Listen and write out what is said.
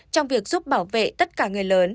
trong việc giúp bảo vệ tất cả người lớn